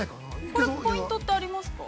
◆これ、ポイントってありますか。